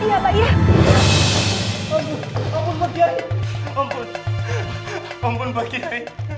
ampun ampun pak kiai